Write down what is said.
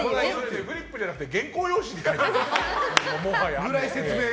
フリップじゃなくて原稿用紙に書いて、もはや。